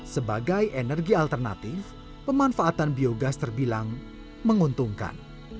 sebagai energi alternatif pemanfaatan biogas terbilang menguntungkan